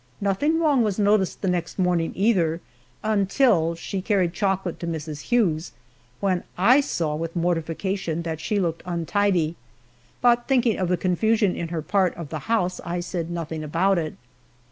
Nothing wrong was noticed the next morning either, until she carried chocolate to Mrs. Hughes, when I saw with mortification that she looked untidy, but thinking of the confusion in her part of the house, I said nothing about it.